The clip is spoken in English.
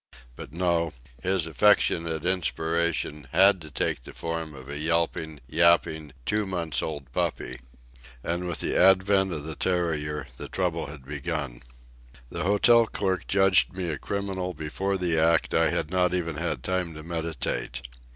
But no; his affectionate inspiration had to take the form of a yelping, yapping two months' old puppy. And with the advent of the terrier the trouble had begun. The hotel clerk judged me a criminal before the act I had not even had time to meditate.